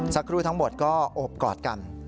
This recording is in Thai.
สักครู่ทั้งหมดก็โอบกอดกัน